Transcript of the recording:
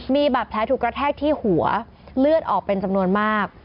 มีบาดแผลถูกกระแทกที่หัวเลือดออกเป็นจำนวนมาก